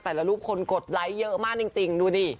แต่ละรูปคนกดไลค์เยอะมากจริงดูดิ